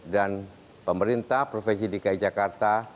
dan pemerintah profesi dki jakarta